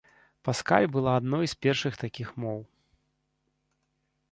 Паскаль была адной з першых такіх моў.